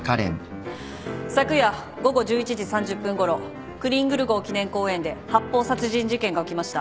昨夜午後１１時３０分ごろクリングル号記念公園で発砲殺人事件が起きました。